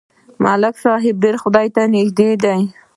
ملک صاحب ډېر خدای ته نږدې دی.